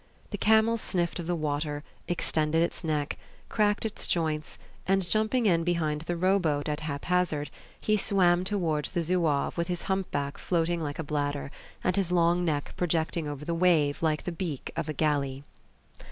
The camel sniffed of the water, extended its neck, cracked its joints, and, jumping in behind the row boat at haphazard, he swam towards the Zouave with his humpback floating like a bladder, and his long neck projecting over the wave like the beak of a galley.